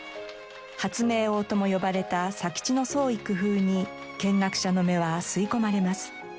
発明王とも呼ばれた佐吉の創意工夫に見学者の目は吸い込まれます。